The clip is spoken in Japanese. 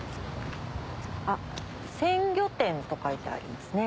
あっ「鮮魚店」と書いてありますね。